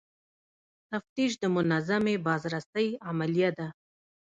تفتیش د منظمې بازرسۍ عملیه ده.